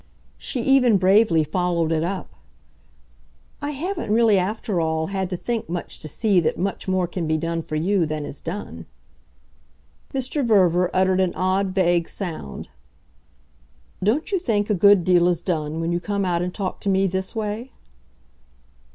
She even bravely followed it up. "I haven't really, after all, had to think much to see that much more can be done for you than is done." Mr. Verver uttered an odd vague sound. "Don't you think a good deal is done when you come out and talk to me this way?"